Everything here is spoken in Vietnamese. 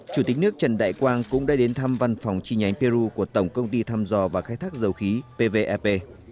chủ tịch nước trần đại quang cũng đã đến thăm văn phòng chi nhánh peru của tổng công ty thăm dò và khai thác dầu khí pvep